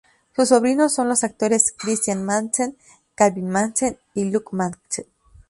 Sus sobrinos son los actores Christian Madsen, Calvin Madsen y Luke Madsen.